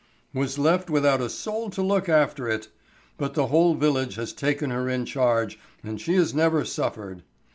"Was left without a soul to look after it. But the whole village has taken her in charge and she has never suffered.